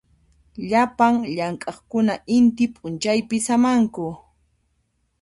Llapan llamk'aqkuna inti p'unchaypi samanku.